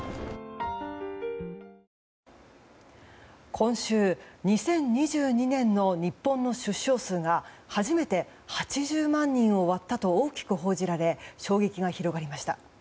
今週２０２２年の日本の出生数が初めて８０万人を割ったと大きく報じられ衝撃が広がりました。